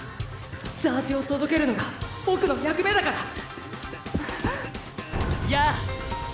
ジャージを届けるのがボクの役目だからやあ。